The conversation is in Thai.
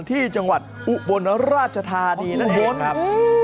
ที่จังหวัดอุบลราชธานีนั่นเองครับ